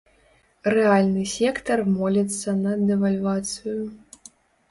Рэальны сектар моліцца на дэвальвацыю.